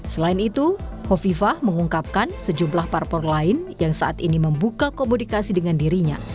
selain itu hovifah mengungkapkan sejumlah parpol lain yang saat ini membuka komunikasi dengan dirinya